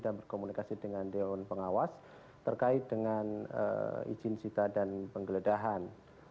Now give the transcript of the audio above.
dan berkomunikasi dengan dewan pengawas terkait dengan izin sita dan penggeledahan